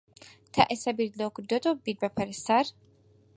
تا ئێستا بیرت لەوە کردووەتەوە ببیت بە پەرستار؟